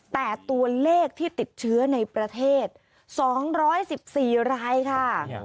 แต่ตัวเลขที่ติดเชื้อในประเทศสองร้อยสิบสี่รายค่ะ